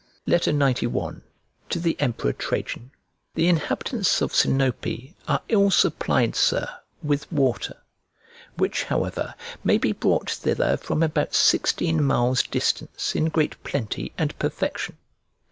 XCI To THE EMPEROR TRAJAN THE inhabitants of Sinope are ill supplied, Sir, with water, which however may be brought thither from about sixteen miles' distance in great plenty and perfection.